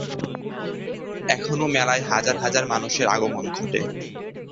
এখনও মেলায় হাজার হাজার মানুষের আগমন ঘটে।